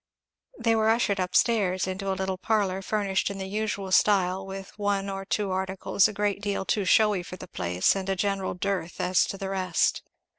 They were ushered up stairs into a little parlour furnished in the usual style, with one or two articles a great deal too showy for the place and a general dearth as to the rest.